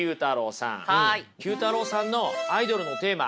９太郎さんのアイドルのテーマ